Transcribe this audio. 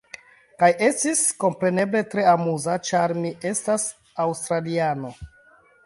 Kaj estis, kompreneble tre amuza ĉar mi estas aŭstraliano.